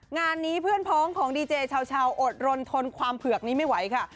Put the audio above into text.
งานนี้เพื่อนพ้องของดีเจชาวอดรนทนความเผือกนี้ไม่ไหวค่ะ